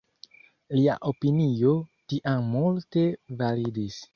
Lia opinio tiam multe validis.